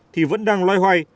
thì vẫn đang loay hoay